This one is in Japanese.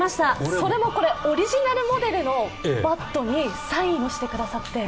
それもオリジナルモデルのバッドにサインをしてくださって。